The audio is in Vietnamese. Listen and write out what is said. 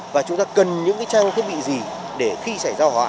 và chúng ta cần những trang thiết bị gì để khi xảy ra hóa